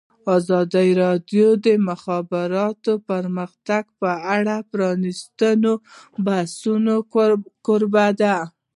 ازادي راډیو د د مخابراتو پرمختګ په اړه د پرانیستو بحثونو کوربه وه.